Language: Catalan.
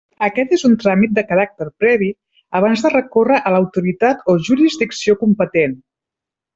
Aquest és un tràmit de caràcter previ abans de recórrer a l'autoritat o jurisdicció competent.